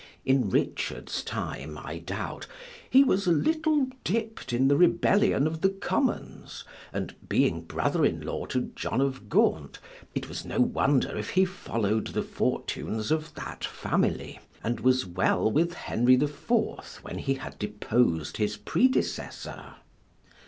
In Richard's time, I doubt, he was a little dipp'd in the rebellion of the commons, and being brother in law to John of Ghant, it was no wonder if he follow'd the fortunes of that family, and was well with Henry the Fourth when he had depos'd his predecessor.